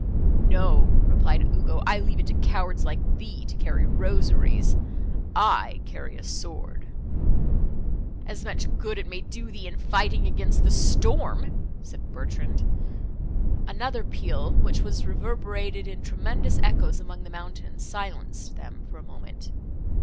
"No," replied Ugo, "I leave it to cowards like thee, to carry rosaries—I carry a sword." "And much good may it do thee in fighting against the storm!" said Bertrand. Another peal, which was reverberated in tremendous echoes among the mountains, silenced them for a moment.